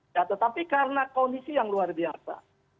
ya tetapi karena kondisi yang luar biasa